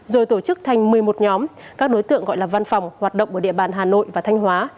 rồi tổ chức thành một mươi một nhóm các đối tượng gọi là văn phòng hoạt động ở địa bàn hà nội và thanh hóa